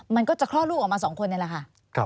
มันก็จะคลอดลูกออกมา๒คนนี่แหละค่ะ